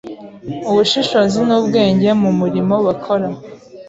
ubushishozi n’ubwenge mu murimo bakora,